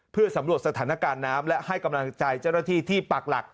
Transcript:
เพื่อสำรวจสถานการณ์น้ำและให้กำลังใจเจ้าหน้าที่ที่ปากหลัก